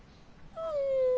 うん。